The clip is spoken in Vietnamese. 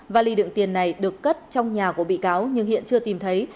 và lì đựng tiền này được cất trong nhà của bị cáo nhưng hiện chưa tìm thấy